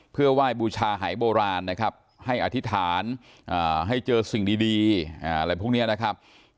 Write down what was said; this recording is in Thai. เพื่อไหว้บูชาหายโบราณนะครับให้อธิษฐานให้เจอสิ่งดีอะไรพวกนี้นะครับ